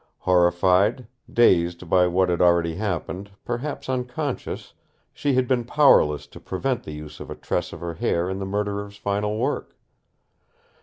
Horrified, dazed by what had already happened, perhaps unconscious, she had been powerless to prevent the use of a tress of her hair in the murderer's final work.